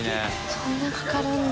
そんなかかるんだ。